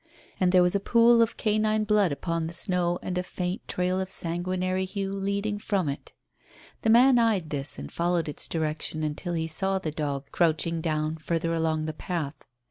And there was a pool of canine blood upon the snow, and a faint trail of sanguinary hue leading from it. The man eyed this and followed its direction until he saw the dog crouching down further along the path.